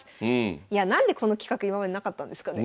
いや何でこの企画今までなかったんですかね。